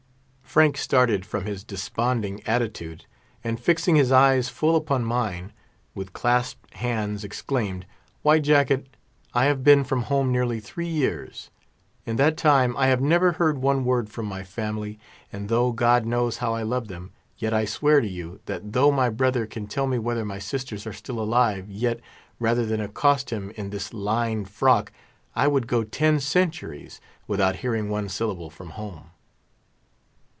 Frank started from his desponding attitude, and fixing his eyes full upon mine, with clasped hands exclaimed, "White Jacket, I have been from home nearly three years; in that time I have never heard one word from my family, and, though God knows how I love them, yet I swear to you, that though my brother can tell me whether my sisters are still alive, yet, rather than accost him in this lined frock, I would go ten centuries without hearing one syllable from home?"